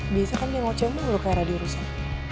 biasa kan dia ngoceh mulu ke air radio rusak